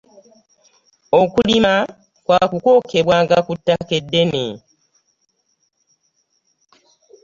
okulima kwakokebwanga ku ttaka eddene.